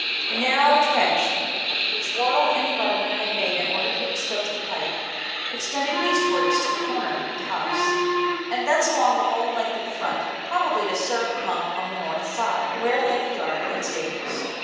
The narrow trench which Wardle and the gardener had made in order to expose the pipe, extended eastwards to the corner of the house, and thence along the whole length of the front, probably to serve a pump on the north side, where lay the ja^A and stables.